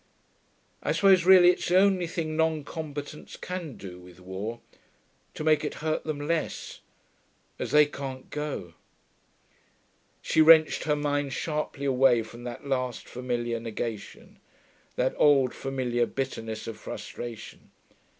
I suppose really it's the only thing non combatants can do with war, to make it hurt them less ... as they can't go....' She wrenched her mind sharply away from that last familiar negation, that old familiar bitterness of frustration.